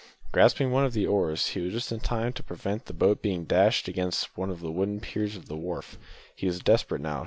Grasping one of the oars, he was just in time to prevent the boat being dashed against one of the wooden piers of a wharf. He was desperate now.